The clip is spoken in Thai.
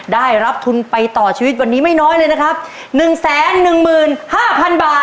ได้รับทุนไปต่อชีวิตไม่น้อยเลยนะครับ